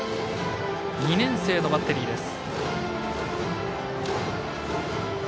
２年生のバッテリーです。